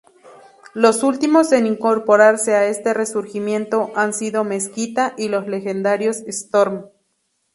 Los últimos en incorporarse a este resurgimiento, han sido Mezquita y los legendarios Storm.